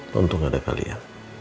tidak ada apa apa